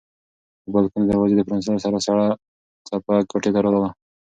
د بالکن د دروازې په پرانیستلو سره سړه څپه کوټې ته راغله.